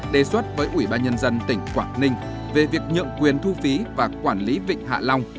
đề xuất với ủy ban nhân dân tỉnh quảng ninh về việc nhượng quyền thu phí và quản lý vịnh hạ long